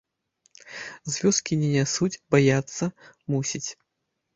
З вёскі не нясуць, баяцца, мусіць.